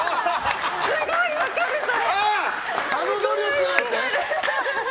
すごい分かるそれ！